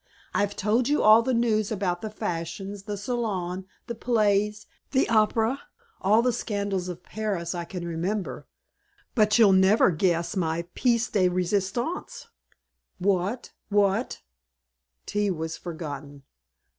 "I've told you all the news about the fashions, the salon, the plays, the opera, all the scandals of Paris I can remember but you'll never guess my piece de resistance." "What what " Tea was forgotten.